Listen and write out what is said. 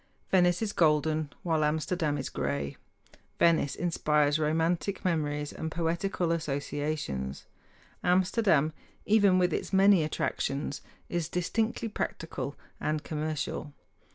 Venice is golden; while Amsterdam is gray. Venice inspires romantic memories and poetical associations; Amsterdam, even with its many attractions, is distinctly practical and commercial.